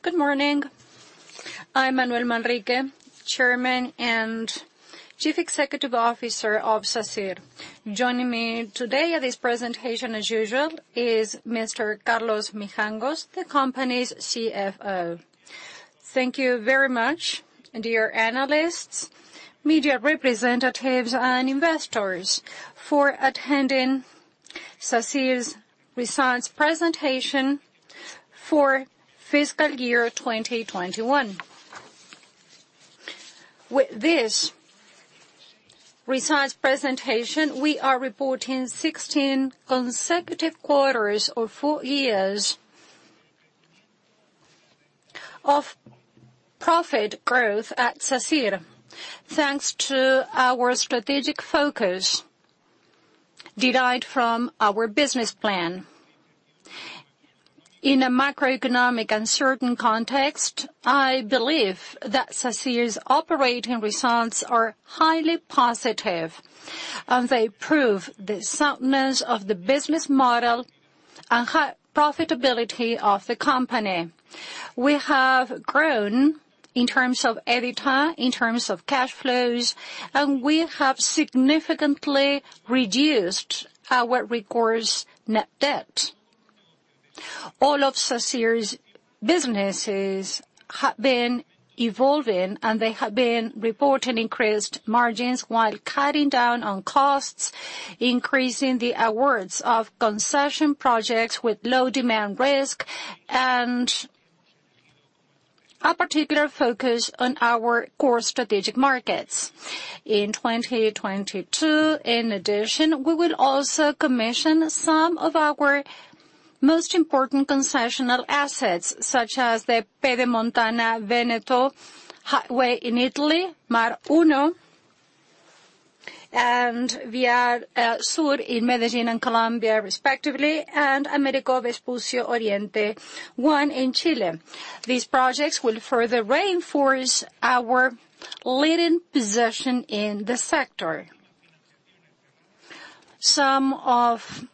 Good morning. I'm Manuel Manrique, Chairman and Chief Executive Officer of Sacyr. Joining me today at this presentation, as usual, is Mr. Carlos Mijangos, the company's CFO. Thank you very much, dear analysts, media representatives, and investors for attending Sacyr's results presentation for fiscal year 2021. With this results presentation, we are reporting 16 consecutive quarters of four years of profit growth at Sacyr, thanks to our strategic focus derived from our business plan. In a macroeconomic uncertain context, I believe that Sacyr's operating results are highly positive, and they prove the soundness of the business model and high profitability of the company. We have grown in terms of EBITDA, in terms of cash flows, and we have significantly reduced our recourse net debt. All of Sacyr's businesses have been evolving, and they have been reporting increased margins while cutting down on costs, increasing the awards of concession projects with low demand risk and a particular focus on our core strategic markets. In 2022, in addition, we will also commission some of our most important concessional assets, such as the Pedemontana Veneto highway in Italy, Autopista al Mar 1, and Vía Sur in Medellín in Colombia, respectively, and Américo Vespucio Oriente I in Chile. These projects will further reinforce our leading position in the sector. Some of the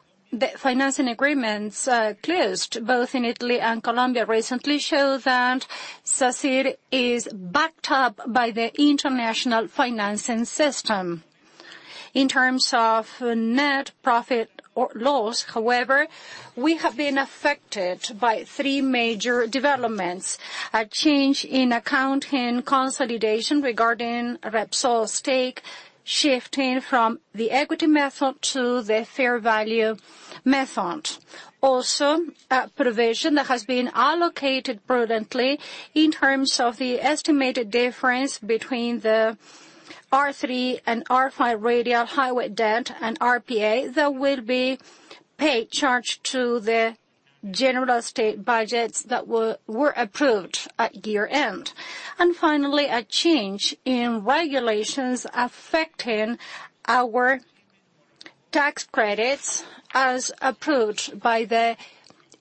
financing agreements closed both in Italy and Colombia recently show that Sacyr is backed up by the international financing system. In terms of net profit or loss, however, we have been affected by three major developments: a change in accounting consolidation regarding Repsol stake shifting from the equity method to the fair value method. Also, a provision that has been allocated prudently in terms of the estimated difference between the R3 and R5 radial highway debt and RPA that will be paid, charged to the general state budgets that were approved at year-end. Finally, a change in regulations affecting our tax credits as approved by the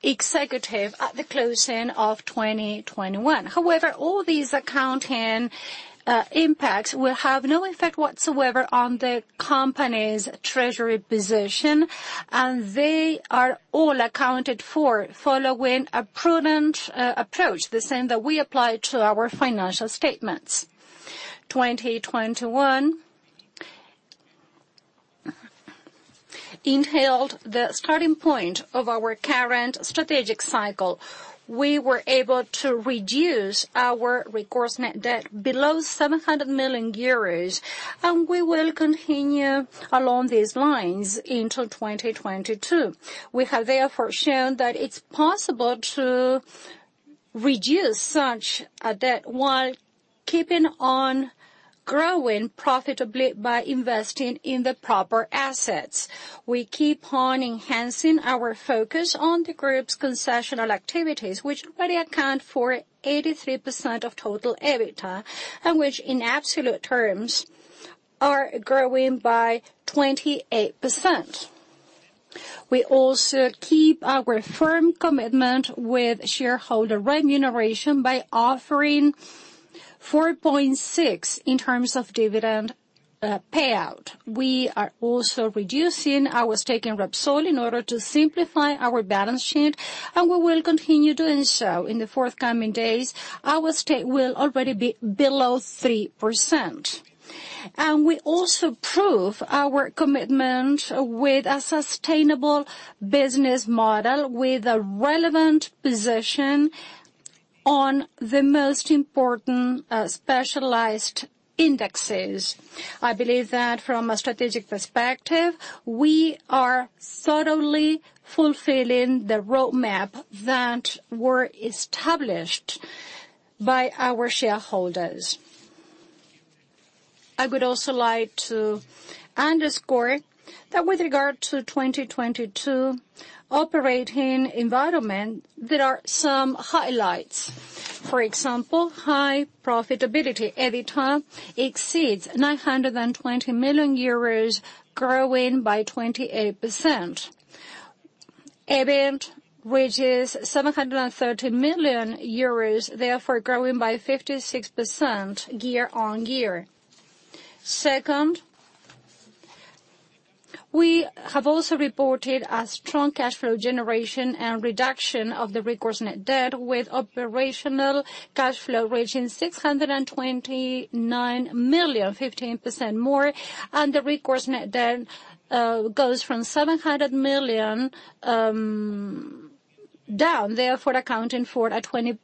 executive at the closing of 2021. However, all these accounting impacts will have no effect whatsoever on the company's treasury position, and they are all accounted for following a prudent approach, the same that we apply to our financial statements. 2021 entailed the starting point of our current strategic cycle. We were able to reduce our recourse net debt below 700 million euros, and we will continue along these lines into 2022. We have therefore shown that it's possible to reduce such a debt while keeping on growing profitably by investing in the proper assets. We keep on enhancing our focus on the group's concessional activities, which already account for 83% of total EBITDA, and which, in absolute terms, are growing by 28%. We also keep our firm commitment with shareholder remuneration by offering 4.6 in terms of dividend payout. We are also reducing our stake in Repsol in order to simplify our balance sheet, and we will continue doing so in the forthcoming days. Our stake will already be below 3%. We also prove our commitment with a sustainable business model with a relevant position on the most important specialized indexes. I believe that from a strategic perspective, we are thoroughly fulfilling the roadmap that were established by our shareholders. I would also like to underscore that with regard to 2022 operating environment, there are some highlights. For example, high profitability. EBITDA exceeds EUR 920 million, growing by 28%. EBIT, which is 730 million euros, therefore growing by 56% year-on-year. Second, we have also reported a strong cash flow generation and reduction of the recourse net debt, with operational cash flow reaching 629 million, 15% more. The recourse net debt goes from 700 million down, therefore accounting for a 20%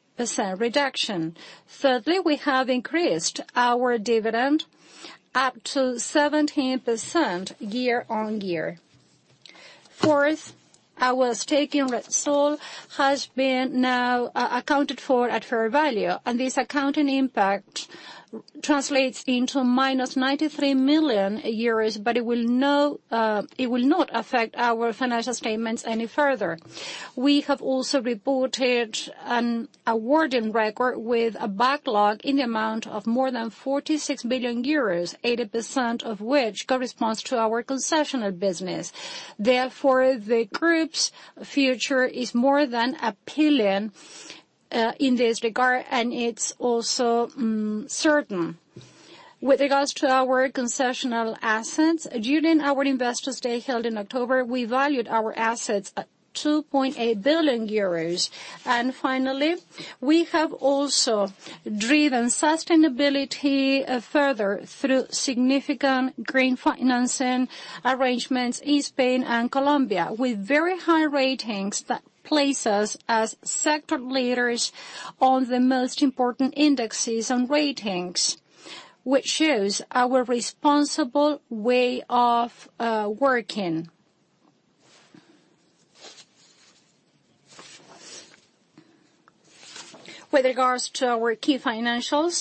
reduction. Thirdly, we have increased our dividend up to 17% year-on-year. Fourth, our stake in Repsol has been now accounted for at fair value, and this accounting impact translates into -93 million euros, but it will not affect our financial statements any further. We have also reported an awarding record with a backlog in the amount of more than 46 billion euros, 80% of which corresponds to our concessional business. Therefore, the group's future is more than appealing in this regard, and it's also certain. With regards to our concessional assets, during our investors' day held in October, we valued our assets at 2.8 billion euros. Finally, we have also driven sustainability further through significant green financing arrangements in Spain and Colombia, with very high ratings that place us as sector leaders on the most important indexes and ratings, which shows our responsible way of working. With regards to our key financials,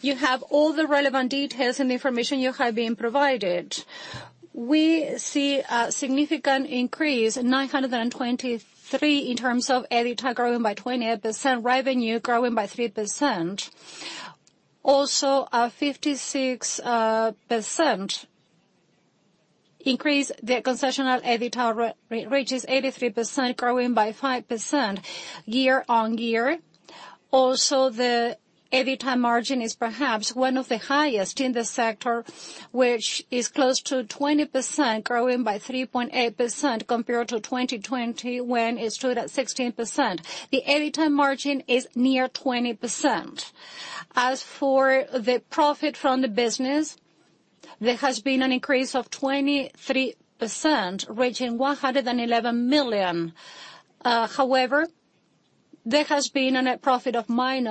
you have all the relevant details and information you have been provided. We see a significant increase, 923, in terms of EBITDA growing by 28%, revenue growing by 3%. Also, a 56% increase. The concessional EBITDA reaches 83%, growing by 5% year-over-year. Also, the EBITDA margin is perhaps one of the highest in the sector, which is close to 20%, growing by 3.8% compared to 2020 when it stood at 16%. The EBITDA margin is near 20%. As for the profit from the business, there has been an increase of 23%, reaching 111 million. However, there has been a net profit of -189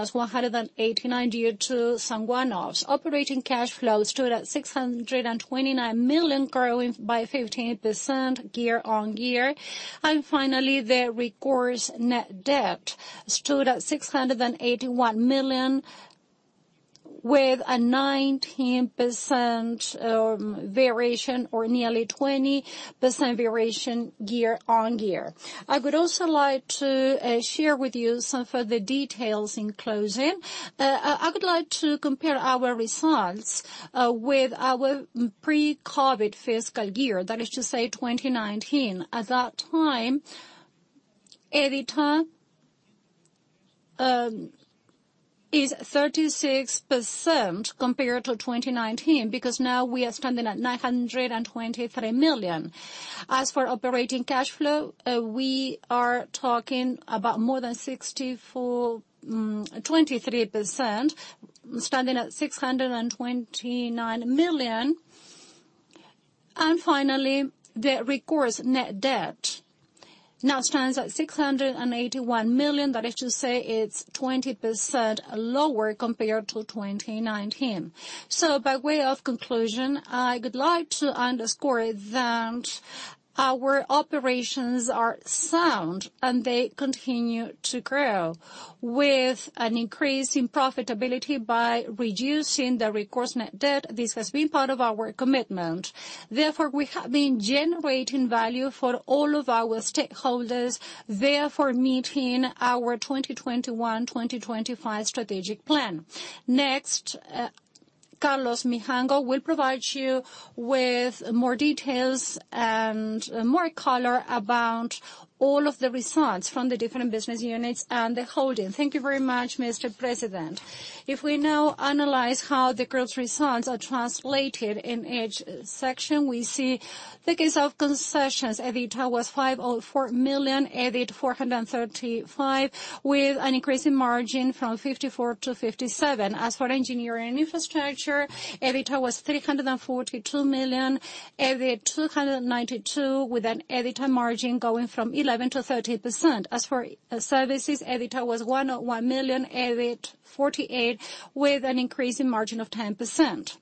million due to some one-offs. Operating cash flow stood at 629 million, growing by 15% year-over-year. Finally, the recourse net debt stood at 681 million, with a 19% variation, or nearly 20% variation year on year. I would also like to share with you some further details in closing. I would like to compare our results with our pre-COVID fiscal year, that is to say, 2019. At that time, EBITDA is 36% compared to 2019, because now we are standing at 923 million. As for operating cash flow, we are talking about 23%, standing at 629 million. Finally, the recourse net debt now stands at 681 million. That is to say it's 20% lower compared to 2019. By way of conclusion, I would like to underscore that our operations are sound, and they continue to grow with an increase in profitability by reducing the recourse net debt. This has been part of our commitment. Therefore, we have been generating value for all of our stakeholders, therefore meeting our 2021-2025 strategic plan. Next, Carlos Mijangos will provide you with more details and more color about all of the results from the different business units and the holding. Thank you very much, Mr. President. If we now analyze how the group's results are translated in each section, we see the case of Concessions. EBITDA was 504 million, EBIT 435 million, with an increase in margin from 54% to 57%. As for Engineering and Infrastructure, EBITDA was 342 million, EBIT 292 million, with an EBITDA margin going from 11%-13%. As for Services, EBITDA was 101 million, EBIT 48 million, with an increase in margin of 10%.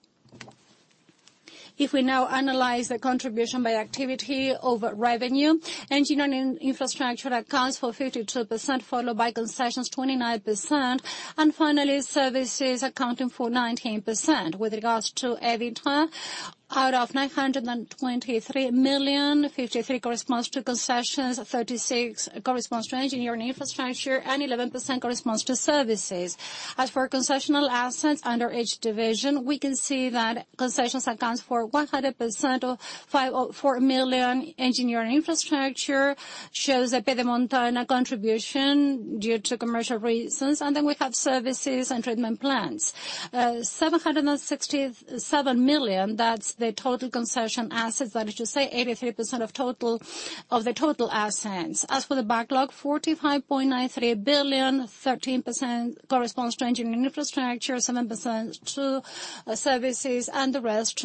If we now analyze the contribution by activity over revenue, engineering infrastructure accounts for 52%, followed by concessions 29%, and finally services accounting for 19%. With regards to EBITDA, out of 923 million, 53% corresponds to concessions, 36% corresponds to engineering infrastructure, and 11% corresponds to services. As for concessional assets under each division, we can see that concessions accounts for 100% of 504 million. Engineering infrastructure shows a Pedemontana contribution due to commercial reasons. We have services and treatment plants. 767 million, that's the total concession assets. That is to say 83% of the total assets. As for the backlog, 45.93 billion. 13% corresponds to engineering infrastructure, 7% to services, and the rest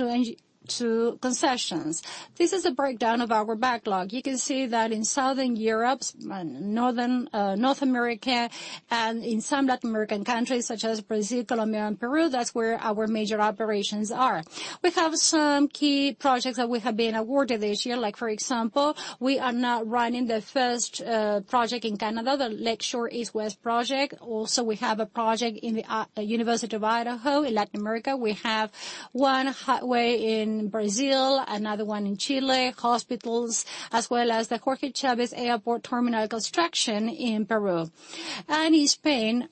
to concessions. This is a breakdown of our backlog. You can see that in Southern Europe, northern, North America, and in some Latin American countries, such as Brazil, Colombia, and Peru, that's where our major operations are. We have some key projects that we have been awarded this year. Like, for example, we are now running the first project in Canada, the Lakeshore East-West project. Also, we have a project in the University of Idaho. In Latin America, we have one highway in Brazil, another one in Chile, hospitals, as well as the Jorge Chávez Airport terminal construction in Peru. In Spain,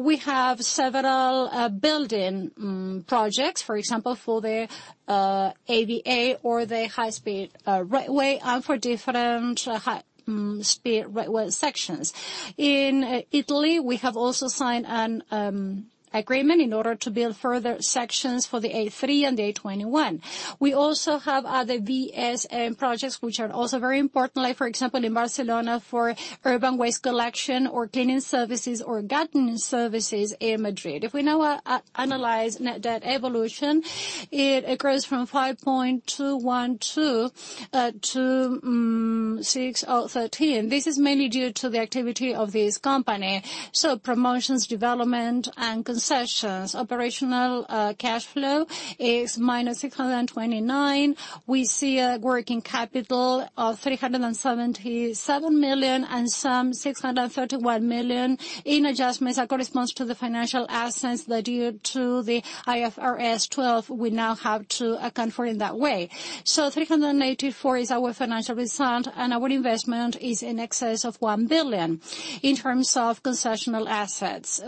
we have several building projects, for example, for the AVE or the high-speed railway and for different high-speed railway sections. In Italy, we have also signed an agreement in order to build further sections for the A3 and the A21. We also have other VSM projects which are also very important, like for example, in Barcelona, for urban waste collection or cleaning services or gardening services in Madrid. If we now analyze net debt evolution, it grows from 5.212 to 6.013. This is mainly due to the activity of this company, so promotions, development, and concessions. Operational cash flow is minus 629. We see a working capital of 377 million and some 631 million in adjustments that corresponds to the financial assets that due to the IFRIC 12 we now have to account for in that way. 384 is our financial result, and our investment is in excess of 1 billion. In terms of concession assets,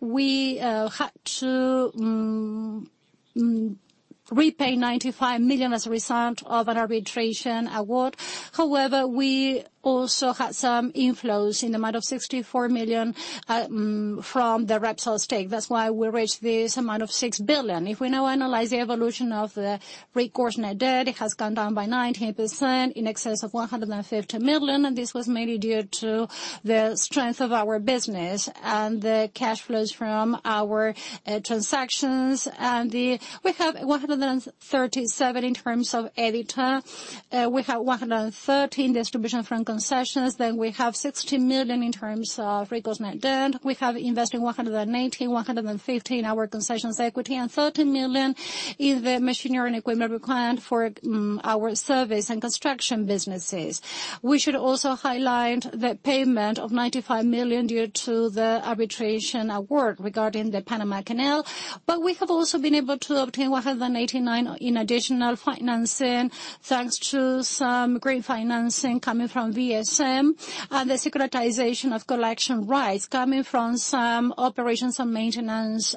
we had to repay 95 million as a result of an arbitration award. However, we also had some inflows in the amount of 64 million from the Repsol stake. That's why we reached this amount of 6 billion. If we now analyze the evolution of the recourse net debt, it has gone down by 19%, in excess of 150 million, and this was mainly due to the strength of our business and the cash flows from our transactions. We have 137 in terms of EBITDA. We have 113 distribution from concessions. We have 60 million in terms of recourse net debt. We have invested 180, 150 in our concessions equity, and 30 million in the machinery and equipment required for our service and construction businesses. We should also highlight the payment of 95 million due to the arbitration award regarding the Panama Canal. We have also been able to obtain 189 million in additional financing, thanks to some great financing coming from VSM and the securitization of collection rights coming from some operations and maintenance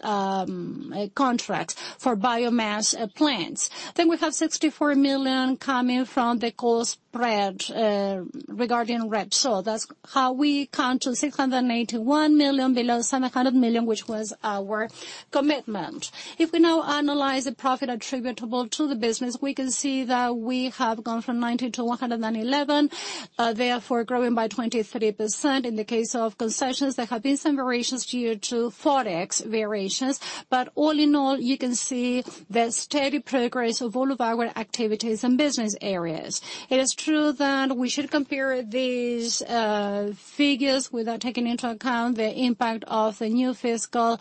contracts for biomass plants. We have 64 million coming from the cost spread regarding Repsol. That's how we come to 681 million, below 700 million, which was our commitment. If we now analyze the profit attributable to the business, we can see that we have gone from 90 to 111, therefore growing by 23%. In the case of concessions, there have been some variations due to forex variations. All in all, you can see the steady progress of all of our activities and business areas. It is true that we should compare these figures without taking into account the impact of the new fiscal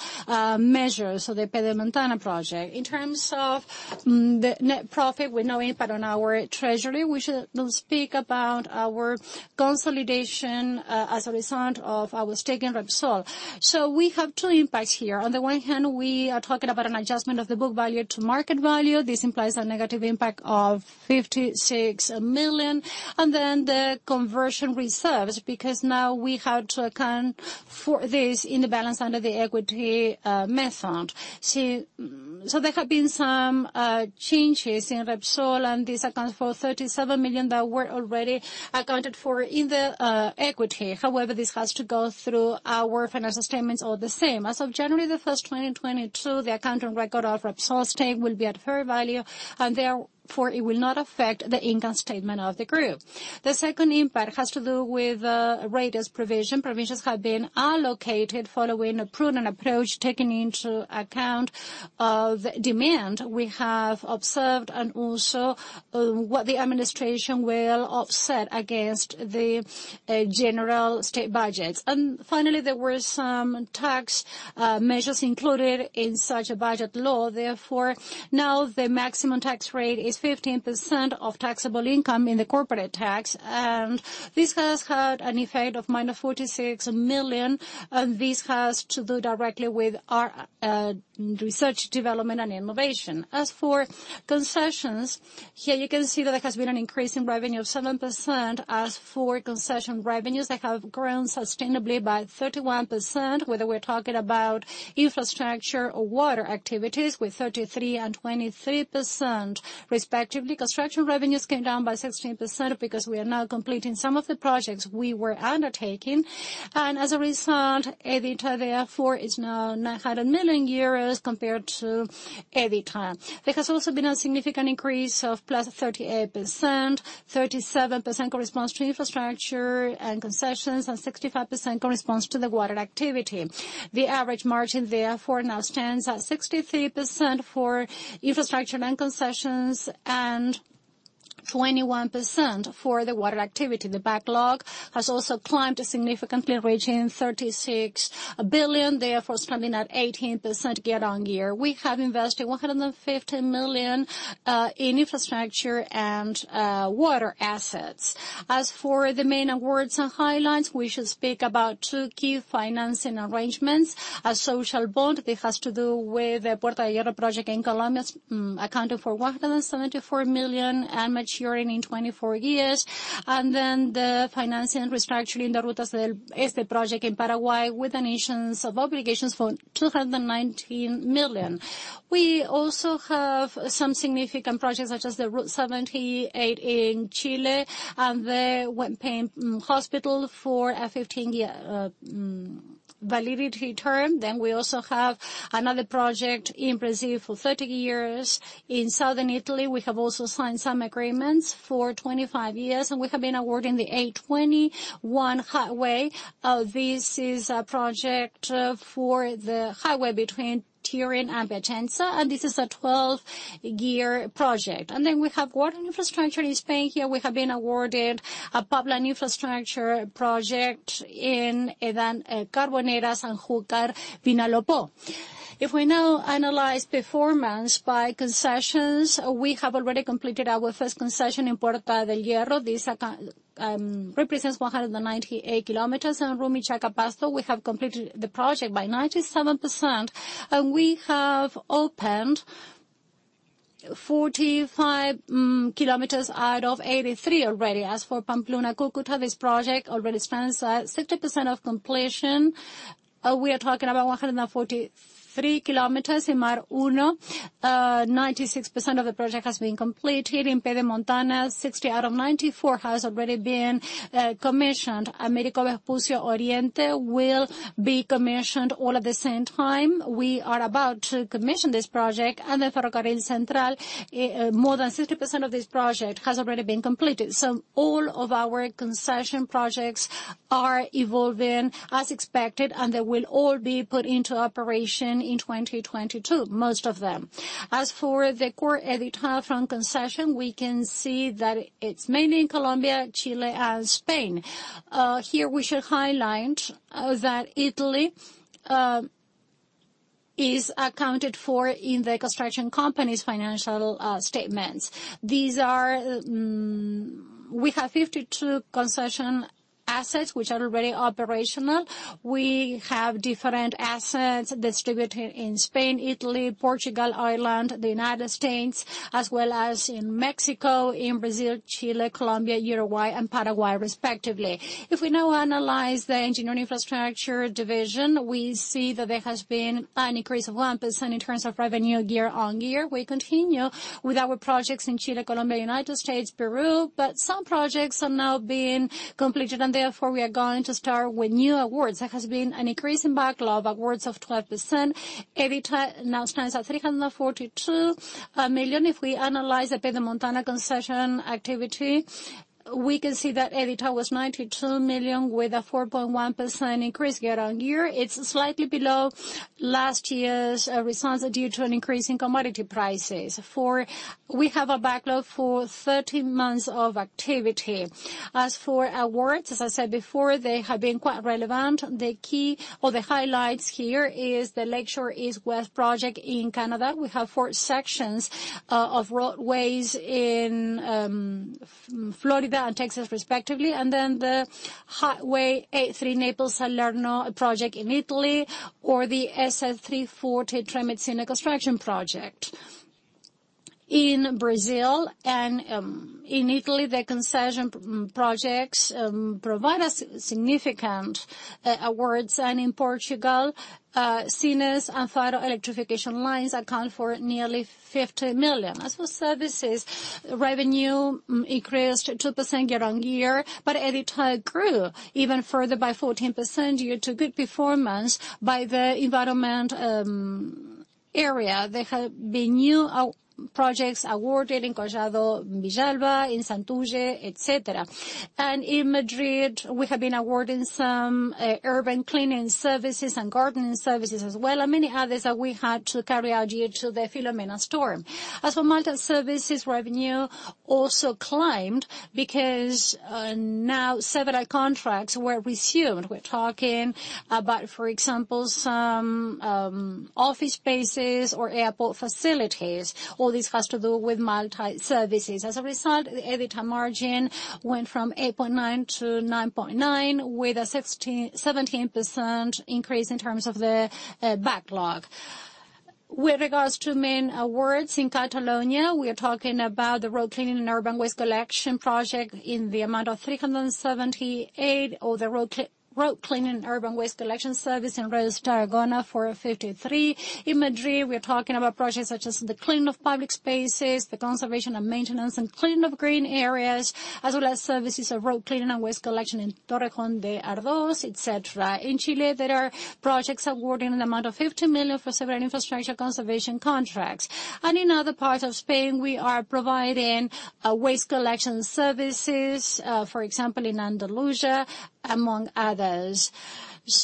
measures, so the Pedemontana project. In terms of the net profit with no impact on our treasury, we should speak about our consolidation as a result of our stake in Repsol. We have two impacts here. On the one hand, we are talking about an adjustment of the book value to market value. This implies a negative impact of 56 million. The conversion reserves, because now we have to account for this in the balance under the equity method. There have been some changes in Repsol, and this accounts for 37 million that were already accounted for in the equity. However, this has to go through our financial statements all the same. As of January 1st, 2022, the accounting record of Repsol stake will be at fair value, and therefore, it will not affect the income statement of the group. The second impact has to do with rates provision. Provisions have been allocated following a prudent approach, taking into account the demand we have observed and also what the administration will offset against the general state budget. Finally, there were some tax measures included in such a budget law. Therefore, now the maximum tax rate is 15% of taxable income in the corporate tax. This has had an effect of -46 million, and this has to do directly with our research, development, and innovation. As for concessions. Here you can see that there has been an increase in revenue of 7%. As for concession revenues, they have grown sustainably by 31%, whether we're talking about infrastructure or water activities, with 33% and 23% respectively. Construction revenues came down by 16% because we are now completing some of the projects we were undertaking. As a result, EBITDA therefore is now 900 million euros compared to EBITDA. There has also been a significant increase of +38%. 37% corresponds to infrastructure and concessions, and 65% corresponds to the water activity. The average margin therefore now stands at 63% for infrastructure and concessions, and 21% for the water activity. The backlog has also climbed significantly, reaching 36 billion, therefore standing at 18% year on year. We have invested 115 million in infrastructure and water assets. As for the main awards and highlights, we should speak about two key financing arrangements. A social bond, this has to do with the Puerta de Hierro project in Colombia, accounting for 174 million and maturing in 24 years. The financing restructuring the Rutas del Este project in Paraguay with the notion of obligations for 219 million. We also have some significant projects such as the Ruta 78 in Chile and the Huempe hospital for a 15-year validity term. We also have another project in Brazil for 30 years. In southern Italy, we have also signed some agreements for 25 years, and we have been awarded the A21 highway. This is a project for the highway between Turin and Piacenza, and this is a 12-year project. We have water infrastructure in Spain. Here we have been awarded a public infrastructure project in Carboneras and Júcar-Vinalopó. If we now analyze performance by concessions, we have already completed our first concession in Puerta de Hierro. This represents 198 km. In Rumichaca-Pasto, we have completed the project by 97%, and we have opened 45 km out of 83 already. As for Pamplona-Cúcuta, this project already stands at 60% of completion. We are talking about 143 km. In MAR I, 96% of the project has been completed. In Pedemontana, 60 out of 94 has already been commissioned. Américo Vespucio Oriente will be commissioned all at the same time. We are about to commission this project. The Ferrocarril Central, more than 60% of this project has already been completed. All of our concession projects are evolving as expected, and they will all be put into operation in 2022, most of them. As for the core EBITDA from concession, we can see that it's mainly in Colombia, Chile and Spain. Here we should highlight that Italy is accounted for in the construction company's financial statements. We have 52 concession assets which are already operational. We have different assets distributed in Spain, Italy, Portugal, Ireland, the United States, as well as in Mexico, in Brazil, Chile, Colombia, Uruguay and Paraguay, respectively. If we now analyze the engineering infrastructure division, we see that there has been a 1% increase in terms of revenue year-over-year. We continue with our projects in Chile, Colombia, United States, Peru, but some projects are now being completed and therefore we are going to start with new awards. There has been an increase in backlog awards of 12%. EBITDA now stands at 342 million. If we analyze the Pedemontana concession activity, we can see that EBITDA was 92 million with a 4.1% increase year-over-year. It's slightly below last year's results due to an increase in commodity prices. We have a backlog for 13 months of activity. As for awards, as I said before, they have been quite relevant. The key or the highlights here is the Lakeshore East-West project in Canada. We have four sections of roadways in Florida and Texas, respectively. Then the Highway A3 Naples-Salerno project in Italy, or the SL-340 Tremedal-Sena construction project. In Brazil and in Italy, the concession projects provide us significant awards. In Portugal, Sines and Faro electrification lines account for nearly 50 million. As for services, revenue increased 2% year-on-year, but EBITDA grew even further by 14% due to good performance by the environment area. There have been new projects awarded in Collado Villalba, in Santurce, etc. In Madrid, we have been awarding some urban cleaning services and gardening services as well, and many others that we had to carry out due to the Filomena storm. As for multi-services revenue also climbed because now several contracts were resumed. We're talking about, for example, some office spaces or airport facilities. All this has to do with multi-services. As a result, the EBITDA margin went from 8.9% to 9.9%, with a 16%-17% increase in terms of the backlog. With regards to main awards in Catalonia, we are talking about the road cleaning and urban waste collection project in the amount of 378 million, or the road cleaning and urban waste collection service in Reus, Tarragona for 53 million. In Madrid, we are talking about projects such as the cleaning of public spaces, the conservation and maintenance and cleaning of green areas, as well as services of road cleaning and waste collection in Torrejón de Ardoz, et cetera. In Chile, there are projects awarding an amount of 50 million for several infrastructure conservation contracts. In other parts of Spain, we are providing waste collection services, for example, in Andalusia, among others.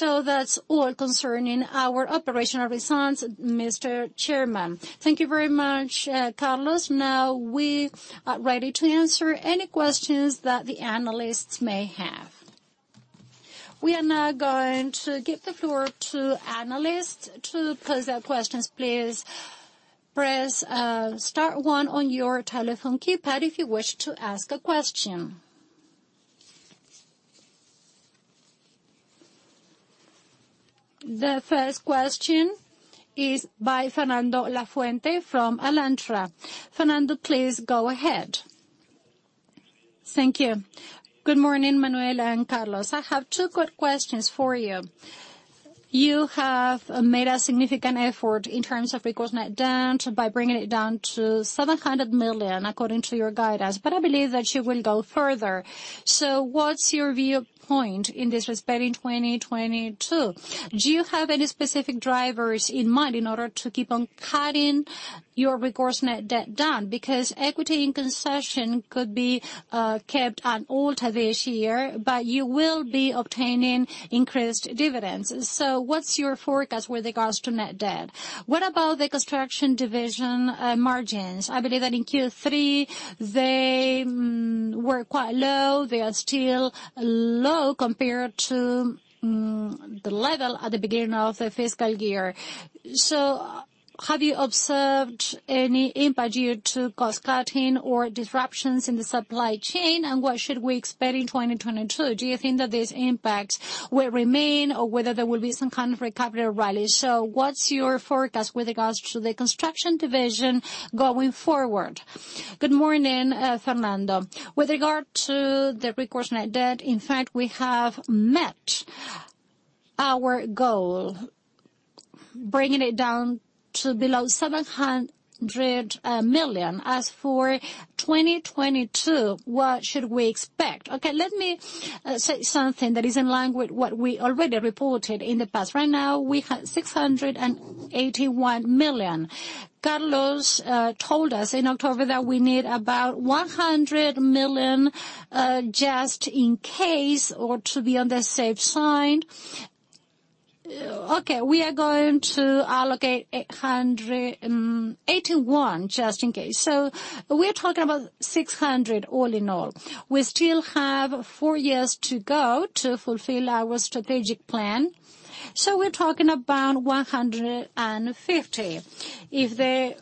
That's all concerning our operational results, Mr. Chairman. Thank you very much, Carlos. Now we are ready to answer any questions that the analysts may have. We are now going to give the floor to analysts. To pose their questions, please press star one on your telephone keypad if you wish to ask a question. The first question is by Fernando Lafuente from Alantra. Fernando, please go ahead. Thank you. Good morning, Manuel and Carlos. I have two quick questions for you. You have made a significant effort in terms of recourse net debt by bringing it down to 700 million, according to your guidance, but I believe that you will go further. What's your viewpoint in this respect in 2022? Do you have any specific drivers in mind in order to keep on cutting your recourse net debt down? Because equity in concession could be kept on hold this year, but you will be obtaining increased dividends. What's your forecast with regards to net debt? What about the construction division margins? I believe that in Q3, they were quite low. They are still low compared to the level at the beginning of the fiscal year. Have you observed any impact due to cost-cutting or disruptions in the supply chain? What should we expect in 2022? Do you think that these impacts will remain, or whether there will be some kind of recovery or rally? What's your forecast with regards to the construction division going forward? Good morning, Fernando. With regard to the recourse net debt, in fact, we have met our goal, bringing it down to below 700 million. As for 2022, what should we expect? Okay, let me say something that is in line with what we already reported in the past. Right now, we have 681 million. Carlos told us in October that we need about 100 million just in case or to be on the safe side. Okay, we are going to allocate 81 million just in case. So we're talking about 600 million all in all. We still have four years to go to fulfill our strategic plan, so we're talking about 150 million.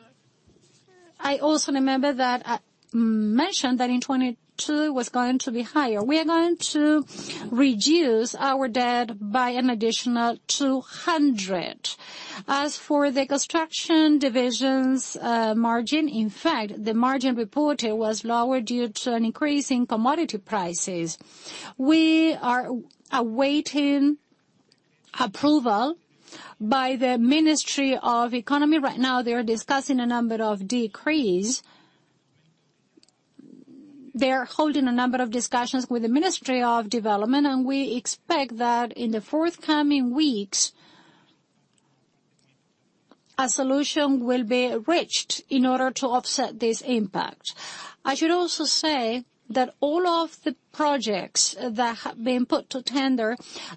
I also remember that I mentioned that in 2022, it was going to be higher. We are going to reduce our debt by an additional 200 million. As for the construction division's margin, in fact, the margin reported was lower due to an increase in commodity prices. We are awaiting approval by the Ministry of Economy. Right now they are discussing a number of decrees. They are holding a number of discussions with the Ministry of Development, and we expect that in the forthcoming weeks, a solution will be reached in order to offset this impact. I should also say that all of the projects that have been put to tender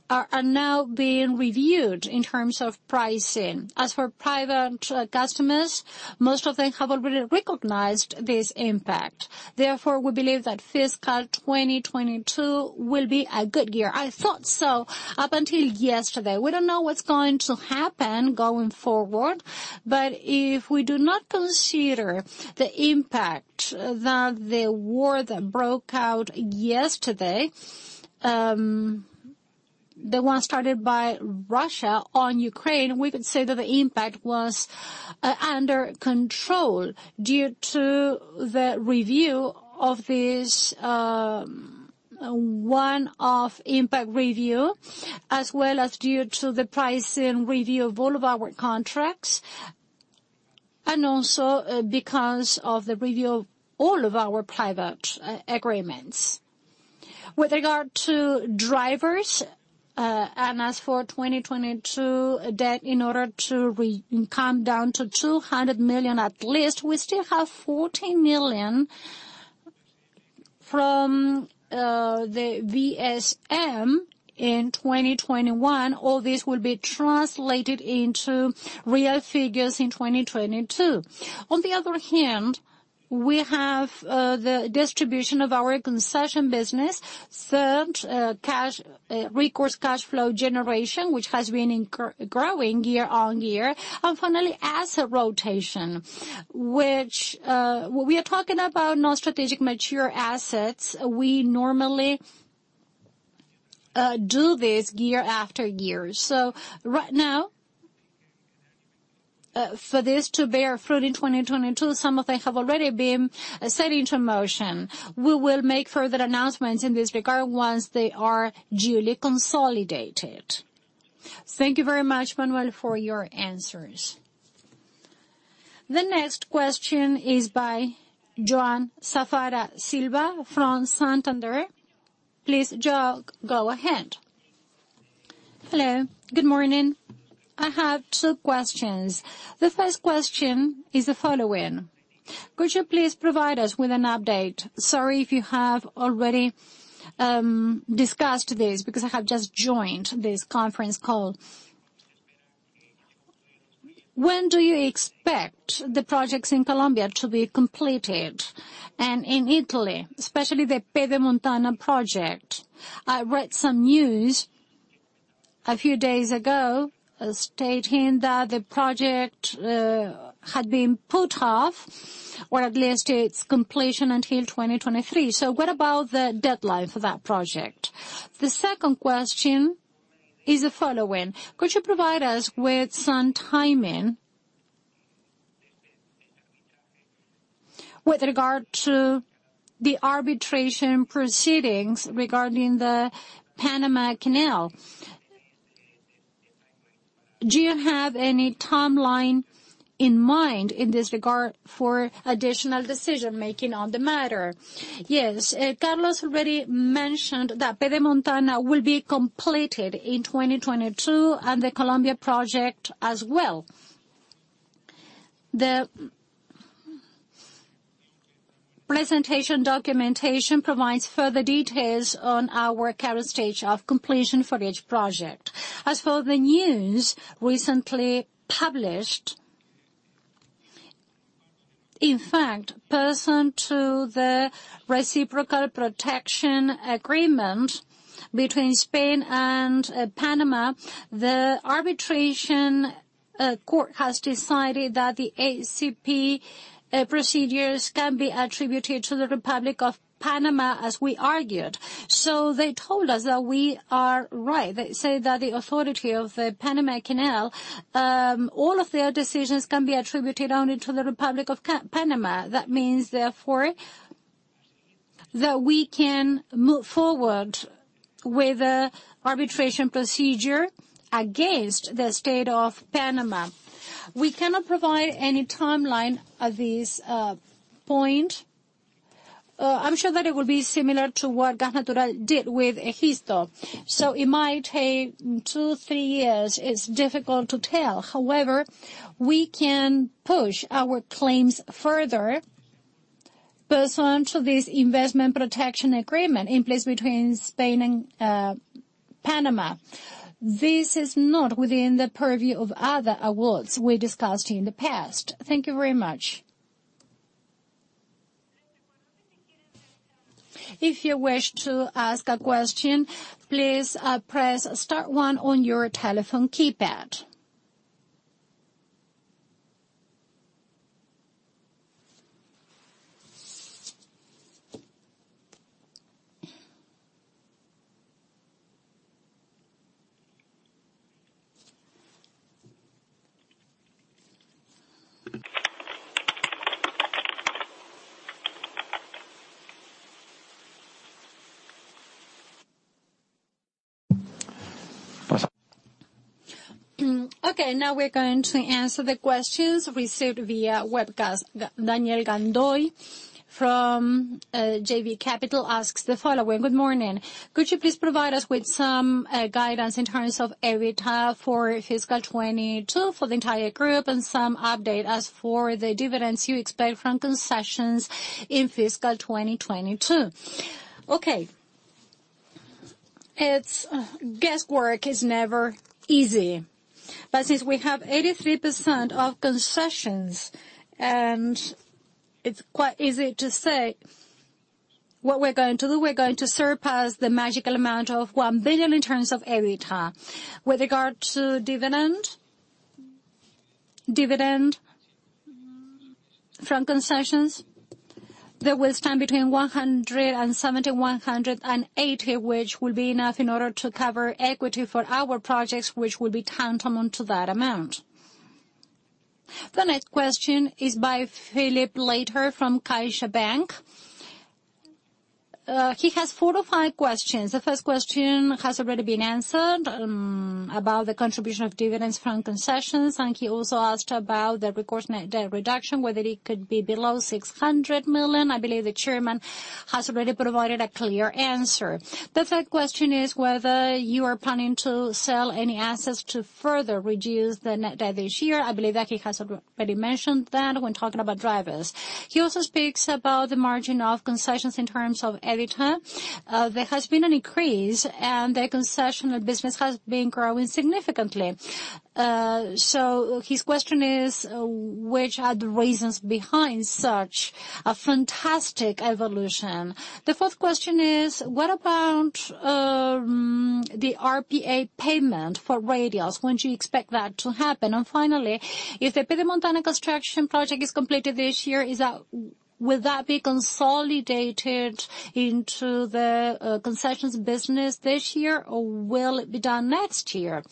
are now being reviewed in terms of pricing. As for private customers, most of them have already recognized this impact. Therefore, we believe that fiscal 2022 will be a good year. I thought so up until yesterday. We don't know what's going to happen going forward. If we do not consider the impact that the war that broke out yesterday, the one started by Russia on Ukraine, we could say that the impact was under control due to the review of this one-off impact review, as well as due to the pricing review of all of our contracts, and also because of the review of all of our private agreements. With regard to drivers, and as for 2022 debt, in order to come down to 200 million at least, we still have 14 million from the VSM in 2021. All this will be translated into real figures in 2022. On the other hand, we have the distribution of our concession business, third, cash recourse cash flow generation, which has been growing year on year. Finally, asset rotation, which we are talking about non-strategic mature assets. We normally do this year after year. Right now, for this to bear fruit in 2022, some of them have already been set into motion. We will make further announcements in this regard once they are duly consolidated. Thank you very much, Manuel, for your answers. The next question is by João Safara Silva from Santander. Please, João, go ahead. Hello. Good morning. I have two questions. The first question is the following: Could you please provide us with an update? Sorry if you have already discussed this, because I have just joined this conference call. When do you expect the projects in Colombia to be completed and in Italy, especially the Pedemontana project? I read some news a few days ago stating that the project had been put off, or at least its completion, until 2023. What about the deadline for that project? The second question is the following: Could you provide us with some timing with regard to the arbitration proceedings regarding the Panama Canal? Do you have any timeline in mind in this regard for additional decision-making on the matter? Yes. Carlos already mentioned that Pedemontana will be completed in 2022, and the Colombia project as well. The presentation documentation provides further details on our current stage of completion for each project. As for the news recently published, in fact, pursuant to the reciprocal protection agreement between Spain and Panama, the arbitration court has decided that the ACP procedures can be attributed to the Republic of Panama, as we argued. They told us that we are right. They say that the Panama Canal Authority, all of their decisions can be attributed only to the Republic of Panama. That means, therefore, that we can move forward with the arbitration procedure against the state of Panama. We cannot provide any timeline at this point. I'm sure that it will be similar to what Gas Natural did with Gesto. It might take two, three years. It's difficult to tell. However, we can push our claims further pursuant to this investment protection agreement in place between Spain and Panama. This is not within the purview of other awards we discussed in the past. Thank you very much. If you wish to ask a question, please, press star one on your telephone keypad. Okay, now we're going to answer the questions received via webcast. Daniel Gandoy from JB Capital Markets asks the following: Good morning. Could you please provide us with some guidance in terms of EBITDA for fiscal 2022 for the entire group, and some update as for the dividends you expect from Concessions in fiscal 2022? Okay. It's guesswork is never easy. Since we have 83% of Concessions, and it's quite easy to say what we're going to do, we're going to surpass the magical amount of 1 billion in terms of EBITDA. With regard to dividend from Concessions, that will stand between 170 and 180, which will be enough in order to cover equity for our projects, which will be tantamount to that amount. The next question is by Felipe Latorre from CaixaBank. He has 4-5 questions. The first question has already been answered about the contribution of dividends from Concessions. He also asked about the recourse net reduction, whether it could be below 600 million. I believe the Chairman has already provided a clear answer. The third question is whether you are planning to sell any assets to further reduce the net debt this year. I believe Jackie has already mentioned that when talking about drivers. He also speaks about the margin of Concessions in terms of EBITDA. There has been an increase, and the Concessions business has been growing significantly. His question is, which are the reasons behind such a fantastic evolution? The fourth question is, what about the RPA payment for radials? When do you expect that to happen? Finally, if the Pedemontana construction project is completed this year, will that be consolidated into the Concessions business this year, or will it be done next year?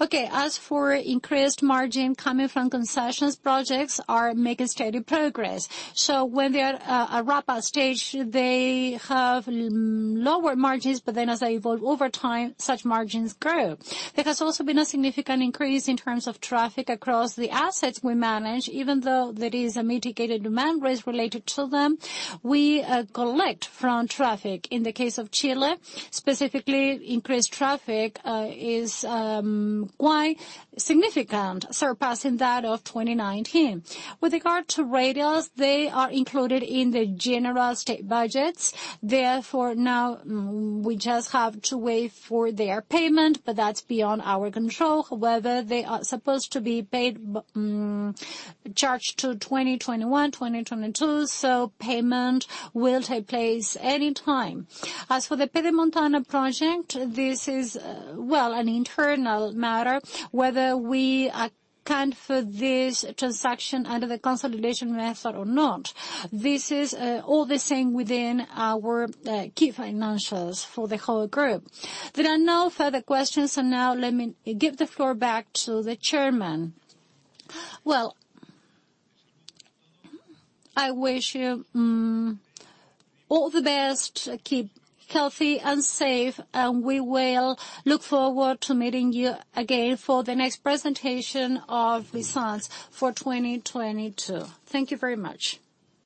Okay. As for increased margin coming from Concessions, projects are making steady progress. When they are at a wrap-up stage, they have lower margins, but then as they evolve over time, such margins grow. There has also been a significant increase in terms of traffic across the assets we manage, even though there is a mitigated demand risk related to them. We collect from traffic. In the case of Chile, specifically, increased traffic is quite significant, surpassing that of 2019. With regard to radials, they are included in the general state budgets. Therefore, now we just have to wait for their payment, but that's beyond our control. However, they are supposed to be paid, charged to 2021, 2022, so payment will take place any time. As for the Pedemontana project, this is well an internal matter, whether we account for this transaction under the consolidation method or not. This is all the same within our key financials for the whole group. There are no further questions, so now let me give the floor back to the chairman. Well, I wish you all the best. Keep healthy and safe, and we will look forward to meeting you again for the next presentation of results for 2022. Thank you very much.